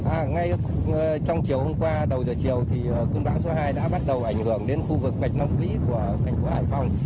và ngay trong chiều hôm qua đầu giờ chiều thì cơn bão số hai đã bắt đầu ảnh hưởng đến khu vực bạch long vĩ của thành phố hải phòng